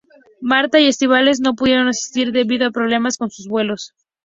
Marta y Estíbaliz no pudieron asistir debido a problemas con sus vuelos.